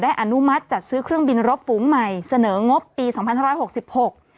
อนุมัติจัดซื้อเครื่องบินรบฝูงใหม่เสนองบปีสองพันห้าร้อยหกสิบหก